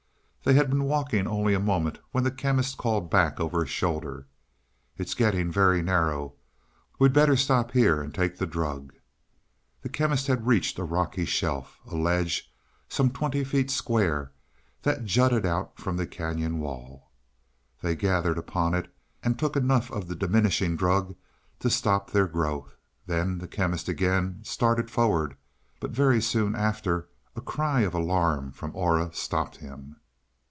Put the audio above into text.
They had been walking only a moment when the Chemist called back over his shoulder. "It's getting very narrow. We'd better stop here and take the drug." The Chemist had reached a rocky shelf a ledge some twenty feet square that jutted out from the cañon wall. They gathered upon it, and took enough of the diminishing drug to stop their growth. Then the Chemist again started forward; but, very soon after, a cry of alarm from Aura stopped him.